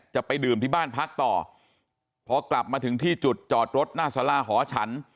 จะไปดื่มที่บ้านพักต่อพอกลับมาถึงที่จุดจอดรถหน้าสาราหอฉัน